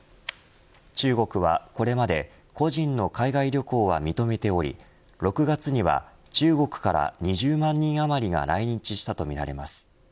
中国はこれまで個人の海外旅行は認めており６月には中国から２０万人余りが来日したとみられます。